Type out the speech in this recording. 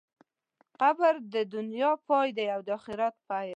قبر د دنیا پای دی او د آخرت پیل.